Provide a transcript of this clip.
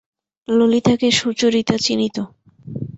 ললিতাকে Sucharita চিনিত।